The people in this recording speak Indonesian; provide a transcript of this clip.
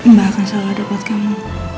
mbak akan selalu ada buat kamu